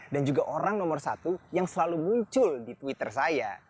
dan juga orang nomor satu yang selalu muncul di twitter saya